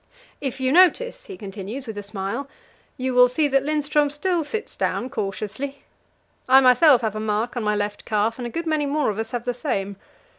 "If you notice," he continues, with a smile, "you will see that Lindström still sits down cautiously. I myself have a mark on my left calf, and a good many more of us have the same.